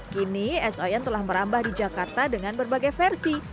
kini es oyen telah merambah di jakarta dengan berbagai versi